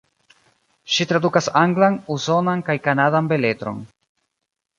Ŝi tradukas anglan, usonan kaj kanadan beletron.